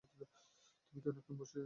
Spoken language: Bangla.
তুমি কি অনেকক্ষণ হয়েছে এসেছ নাকি?